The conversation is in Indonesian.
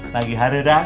pagi hari dadang